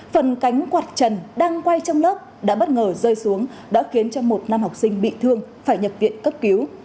phần cánh quạt trần đang quay trong lớp đã bất ngờ rơi xuống đã khiến cho một nam học sinh bị thương phải nhập viện cấp cứu